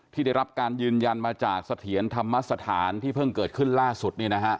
ที่ได้รับการยืนยันมาจากเสถียรธรรมสถานที่เพิ่งเกิดขึ้นล่าสุด